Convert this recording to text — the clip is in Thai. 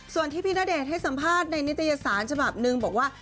ส่วนที่พี่ณเดชน์ให้สัมภาษณ์ในนิตยสารฉบับหนึ่งบอกว่า